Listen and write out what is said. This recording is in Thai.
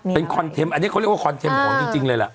ก็มีภาพเป็นเป็นอันนี้เขาเรียกว่าของจริงจริงเลยล่ะอ่า